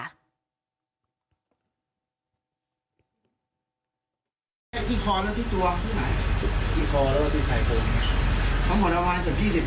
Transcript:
รู้ว่าต้องแข่งยังไงไม่เคย